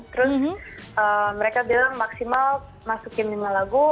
terus mereka bilang maksimal masukin lima lagu